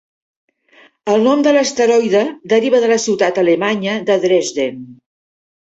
El nom de l'asteroide deriva de la ciutat alemanya de Dresden.